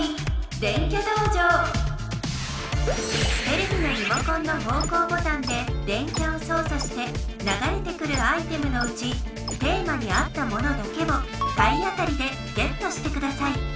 テレビのリモコンの方向ボタンで電キャを操作してながれてくるアイテムのうちテーマに合ったものだけを体当たりでゲットしてください。